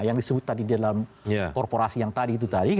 yang disebut tadi dalam korporasi yang tadi